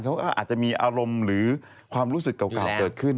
เขาก็อาจจะมีอารมณ์หรือความรู้สึกเก่าเกิดขึ้น